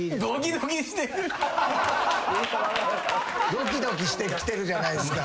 ドキドキしてきてるじゃないですか。